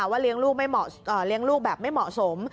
ว่าเลี้ยงลูกแบบไม่เหมาะสม